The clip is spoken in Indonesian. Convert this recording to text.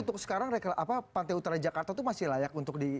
untuk sekarang pantai utara jakarta itu masih layak untuk di